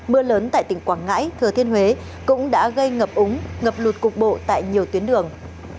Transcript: mưa lớn tại tỉnh quảng ngãi thừa thiên huế cũng đã gây ngập úng ngập lụt cục bộ tại nhiều tuyến đường